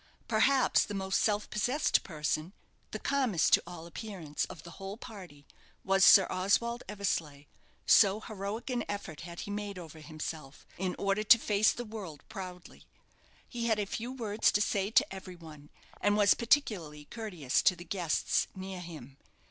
Perhaps the most self possessed person the calmest to all appearance, of the whole party was Sir Oswald Eversleigh, so heroic an effort had he made over himself, in order to face the world proudly. He had a few words to say to every one; and was particularly courteous to the guests near him.